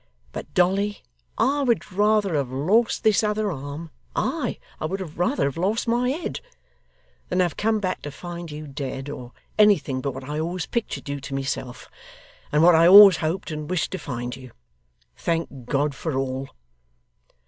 But, Dolly, I would rather have lost this other arm ay, I would rather have lost my head than have come back to find you dead, or anything but what I always pictured you to myself, and what I always hoped and wished to find you. Thank God for all!